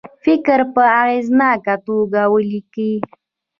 فکر په اغیزناکه توګه ولیکي.